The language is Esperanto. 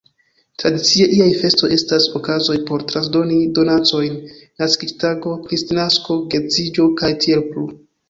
Tradicie iaj festoj estas okazoj por transdoni donacojn: naskiĝtago, Kristnasko, geedziĝo, kaj tiel plu.